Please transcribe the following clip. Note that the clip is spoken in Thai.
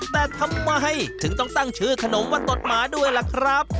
แต่ทำไมถึงต้องตั้งชื่อขนมว่าตดหมาด้วยล่ะครับ